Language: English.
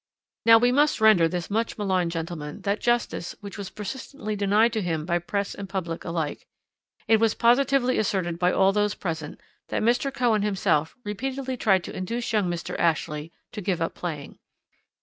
"Now we must render this much maligned gentleman that justice which was persistently denied to him by press and public alike; it was positively asserted by all those present that Mr. Cohen himself repeatedly tried to induce young Mr. Ashley to give up playing.